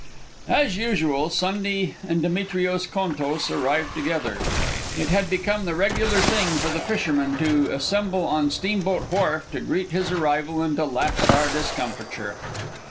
As usual, Sunday and Demetrios Contos arrived together. It had become the regular thing for the fishermen to assemble on Steamboat Wharf to greet his arrival and to laugh at our discomfiture.